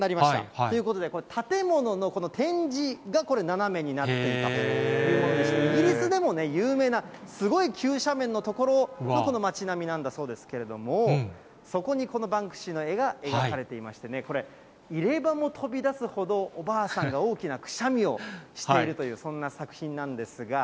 ということで、これ、建物の展示がこれ、斜めになっていたというものでして、イギリスでも有名な、すごい急斜面の所の街並みなんだそうなんですけれども、そこにこのバンクシーの絵が描かれていましてね、これ、入れ歯も飛び出すほど、おばあさんが大きなくしゃみをしているという、そんな作品なんですが。